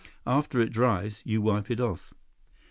After it dries, you wipe it off."